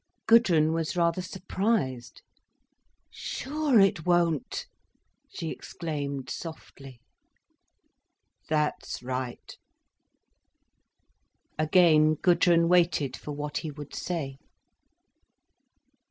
Gudrun was rather surprised. "Sure it won't!" she exclaimed softly. "That's right." Again Gudrun waited for what he would say.